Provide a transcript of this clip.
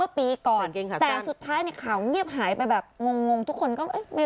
อืมอืมอืมอืมอืม